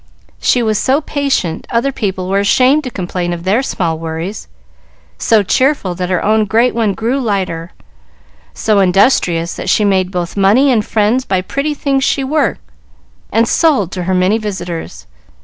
"She was so patient, other people were ashamed to complain of their small worries; so cheerful, that her own great one grew lighter; so industrious, that she made both money and friends by pretty things she worked and sold to her many visitors.